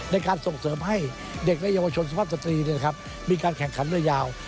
ในการส่งเสริมให้เด็กและเยาวชนสุภาพสตรีมีการแข่งขันเรือยาว